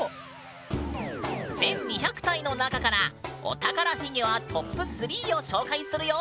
１，２００体の中からお宝フィギュアトップ３を紹介するよ！